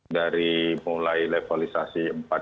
dari mulai level istilah